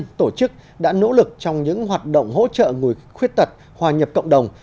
các tổ chức đã nỗ lực trong những hoạt động hỗ trợ người khuyết tật hòa nhập cộng đồng